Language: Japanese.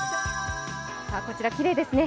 こちらきれいですね。